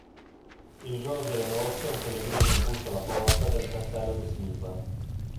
Il giorno delle nozze un pellegrino bussa alla porta del castello de Silva.